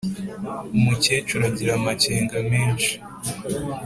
umukecuru agira amakenga menshi